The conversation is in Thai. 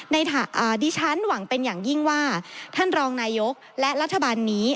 ดิฉันหวังเป็นอย่างยิ่งว่าท่านรองนายกและรัฐบาลนี้